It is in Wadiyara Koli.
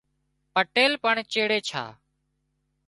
پٽيل پڻ چيڙي ڇا